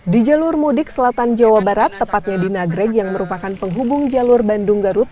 di jalur mudik selatan jawa barat tepatnya di nagreg yang merupakan penghubung jalur bandung garut